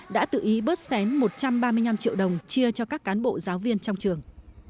đã tự ý bớt xén một trăm ba mươi năm triệu đồng chia cho các cán bộ giáo viên trong trường